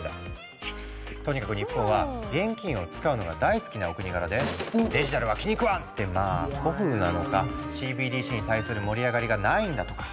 とにかく日本は現金を使うのが大好きなお国柄で「デジタルは気に食わん！」ってまあ古風なのかＣＢＤＣに対する盛り上がりがないんだとか。